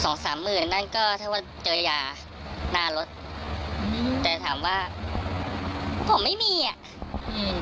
สองสามหมื่นนั่นก็ถ้าว่าเจอยาหน้ารถอืมแต่ถามว่าผมไม่มีอ่ะอืม